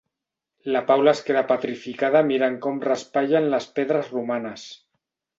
La Paula es queda petrificada mirant com raspallen les pedres romanes.